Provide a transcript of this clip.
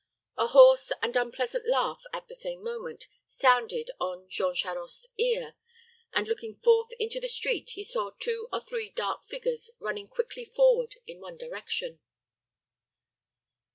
A hoarse and unpleasant laugh, at the same moment, sounded on Jean Charost's ear, and, looking forth into the street, he saw two or three dark figures running quickly forward in one direction.